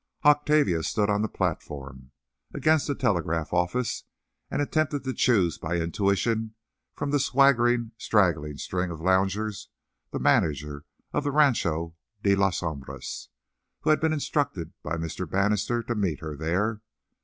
Octavia stood on the platform, against the telegraph office, and attempted to choose by intuition from the swaggering, straggling string of loungers, the manager of the Rancho de las Sombras, who had been instructed by Mr. Bannister to meet her there.